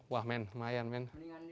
wah men lumayan men